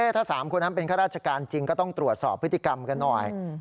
ถ้า๓คนนั้นเป็นข้าราชการจริงก็ต้องตรวจสอบพฤติกรรมกันหน่อย